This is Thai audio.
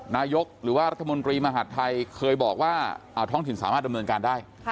หรือว่ารัฐมนตรีมหาดไทยเคยบอกว่าท้องถิ่นสามารถดำเนินการได้